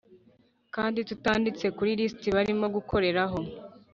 kandi tutanditse kuri lisiti barimo gukoreraho